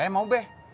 saya mau be